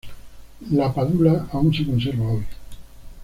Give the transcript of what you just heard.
La Padula aún se conserva hoy.